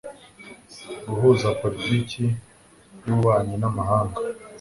guhuza politiki y ububanyi n amahanga